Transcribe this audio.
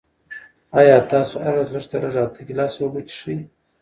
آیا تاسو هره ورځ لږ تر لږه اته ګیلاسه اوبه څښئ؟